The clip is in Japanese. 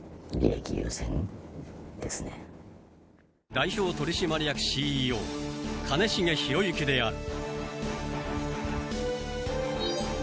代表取締役・ＣＥＯ兼重宏行である。